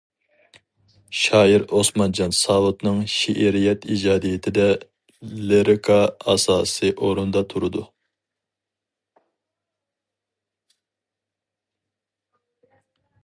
شائىر ئوسمانجان ساۋۇتنىڭ شېئىرىيەت ئىجادىيىتىدە لىرىكا ئاساسىي ئورۇندا تۇرىدۇ.